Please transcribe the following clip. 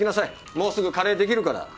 もうすぐカレーできるから。